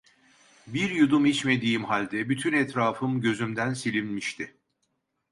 Bir yudum içmediğim halde bütün etrafım gözümden silinmişti.